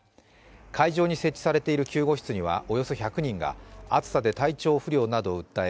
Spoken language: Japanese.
会場に設置されている救護室にはおよそ１００人が暑さで体調不良などを訴え